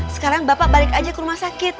sekarang bapak balik aja ke rumah sakit